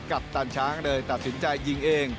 ปตันช้างเลยตัดสินใจยิงเอง